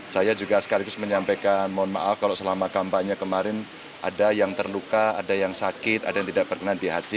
saya juga sekaligus menyampaikan mohon maaf kalau selama kampanye kemarin ada yang terluka ada yang sakit ada yang tidak berkenan di hati